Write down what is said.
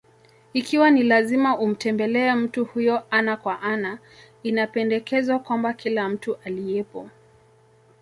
Ikiwa ni lazima umtembelee mtu huyo ana kwa ana, inapendekezwa kwamba kila mtu aliyepo: